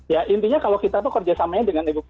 ya intinya kalau kita tuh kerjasamanya dengan eee